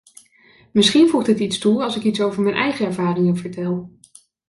Misschien voegt het iets toe als ik iets over mijn eigen ervaringen vertel.